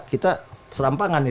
kita selampangan nih